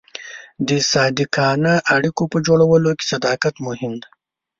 د صادقانه اړیکو په جوړولو کې صداقت مهم دی.